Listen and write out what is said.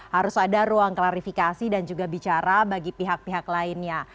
harus ada ruang klarifikasi dan juga bicara bagi pihak pihak lainnya